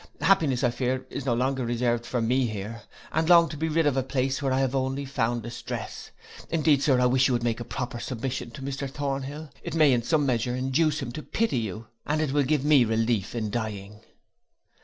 Happiness, I fear, is no longer reserved for me here; and I long to be rid of a place where I have only found distress. Indeed, sir, I wish you would make a proper submission to Mr Thornhill; it may, in some measure, induce him to pity you, and it will give me relief in dying.